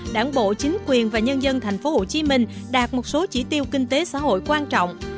đảng bộ chính quyền và nhân dân thành phố hồ chí minh đạt một số chỉ tiêu kinh tế xã hội quan trọng